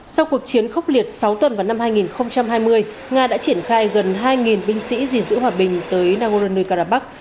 sau cuộc chiến khốc liệt sáu tuần vào năm hai nghìn hai mươi nga đã triển khai gần hai binh sĩ gìn giữ hòa bình tới nagorno karabakh